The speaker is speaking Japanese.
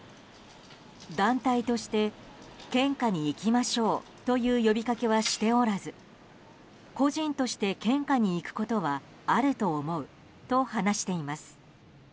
団体として献花に行きましょうという呼びかけはしておらず個人として献花に行くことはあると思うと話しています。